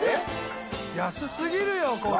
安すぎるよこれ！